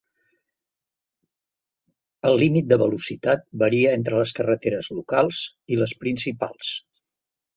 El límit de velocitat varia entre les carreteres locals i les principals.